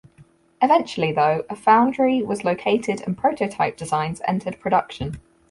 Eventually though a foundry was located and prototype designs entered production.